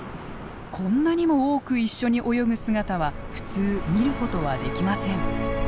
こんなにも多く一緒に泳ぐ姿は普通見ることはできません。